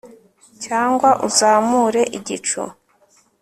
cyangwa uzamure igicu